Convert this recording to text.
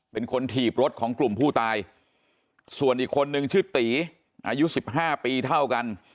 เป็นคนถีบรถของกลุ่มผู้ตายส่วนอีกคนนึงชื่อตีอายุสิบห้าปีเท่ากัน